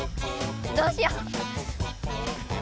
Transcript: どうしよ。